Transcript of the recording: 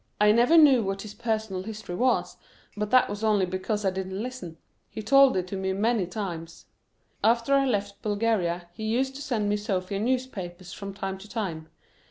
I never knew what his personal history was, but that was only because I didn't listen; he told it to me many times. After I left Bulgaria he used to send me Sofia newspapers from time to time.